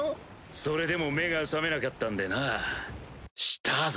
それでも目が覚めなかったんでなしたぞ。